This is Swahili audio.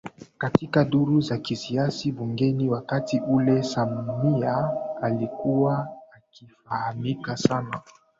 Katika duru za kisiasa bungeni wakati ule Samia alikuwa akifahamika sana